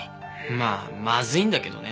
まあまずいんだけどね